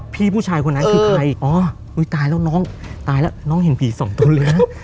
ผู้ชายคนนั้นคือใครอ๋ออุ้ยตายแล้วน้องตายแล้วน้องเห็นผีสองตัวเลยนะ